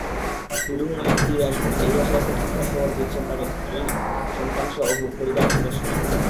হিরু-হুমায়ুুন ফিরে আসবেন—এই আশায় প্রতীক্ষার প্রহর গুনছেন তাঁদের স্ত্রী, সন্তানসহ পরিবারের সদস্যরা।